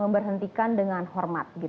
berhentikan dengan hormat